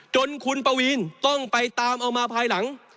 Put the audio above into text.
จนคุณปวีนต้องไปตามเอามาภายหลัง